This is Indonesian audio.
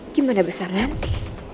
gimana besar nanti